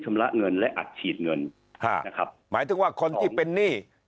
ละเงินและอัดฉีดเงินฮะนะครับหมายถึงว่าคนที่เป็นหนี้